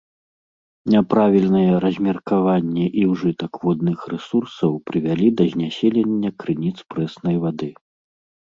Няправільнае размеркаванне і ўжытак водных рэсурсаў прывялі да знясілення крыніц прэснай вады.